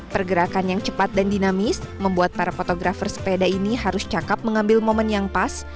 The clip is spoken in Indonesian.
pergerakan yang cepat dan dinamis membuat para fotografer sepeda ini harus cakep mengambil momen yang pas